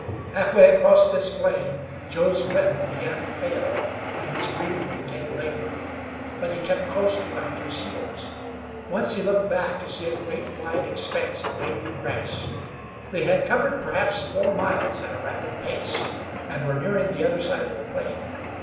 Half way across this plain Joe's wind began to fail, and his breathing became labored; but he kept close to the hunter's heels. Once he looked back to see a great wide expanse of waving grass. They had covered perhaps four miles at a rapid pace, and were nearing the other side of the plain.